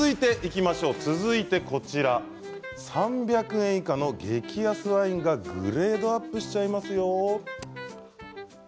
続いてこちら３００円以下の激安ワインがグレードアップしちゃいますよ。